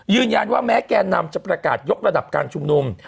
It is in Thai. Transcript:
ยืนยันว่าแม้แกนนำจะประกาศยกระดับการชุมนุม